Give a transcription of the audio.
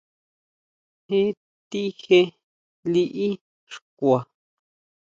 Jetije liʼí xkua.